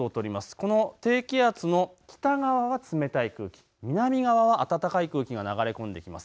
この低気圧の北側は冷たい空気、南側は暖かい空気が流れ込んできます。